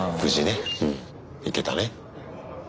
行けたね。